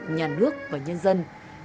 nhà nước và nhân dân